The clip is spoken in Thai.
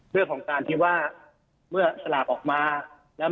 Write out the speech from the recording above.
เพื่อพองการที่ว่าเมื่อสลักออกมามีการ้านซื้อ